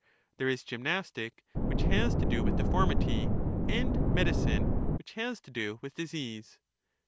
There is gymnastic, which has to do with deformity, Sophist. and medicine, which has to do with disease.